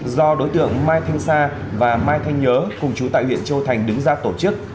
do đối tượng mai thanh sa và mai thanh nhớ cùng chú tại huyện châu thành đứng ra tổ chức